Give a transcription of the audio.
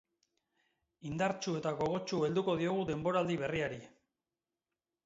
Indartsu eta gogotsu helduko diogu denboraldi berriari.